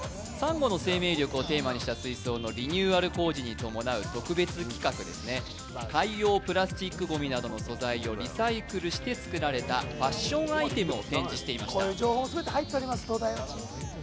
サンゴの生命力をテーマにした水槽のリニューアル工事に伴う特別企画ですね、海洋プラスチックごみなどの素材をリサイクルして作られたファッションアイテムを展示していました。